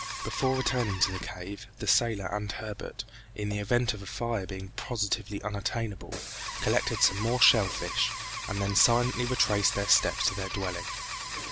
Before returning to the cave, the sailor and Herbert, in the event of fire being positively unattainable, collected some more shell fish, and then silently retraced their steps to their dwelling.